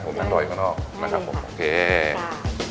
ผมนั่งรอยข้างนอกนะครับผมโอเคใช่ครับ